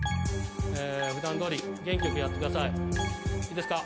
普段どおり元気よくやってくださいいいですか？